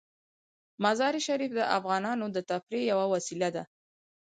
مزارشریف د افغانانو د تفریح یوه وسیله ده.